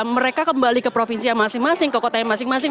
mereka kembali ke provinsi yang masing masing ke kota yang masing masing